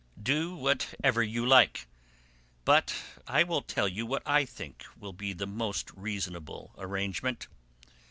Do whatever you like, but I will tell you what I think will be most reasonable arrangement.